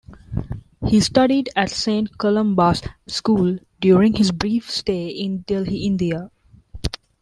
He studied at Saint Columba's School during his brief stay in Delhi, India.